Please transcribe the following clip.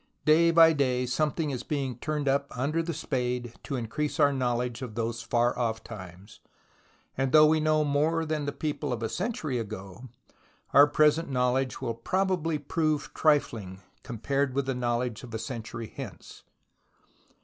Day by day something is being turned up under the spade to increase our knowledge of those far off times, and though we know more than the people of a century ago, our present knowledge will probably prove trifling compared with the knowledge of a century hence.